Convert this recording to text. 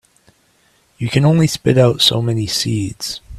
You can only spit out so many seeds.